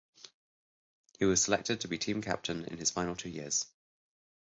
He was selected to be team captain in his final two years.